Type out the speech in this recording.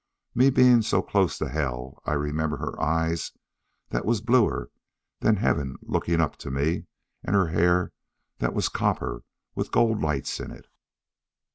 Me being so close to hell, I remember her eyes that was bluer than heaven looking up to me, and her hair, that was copper with gold lights in it.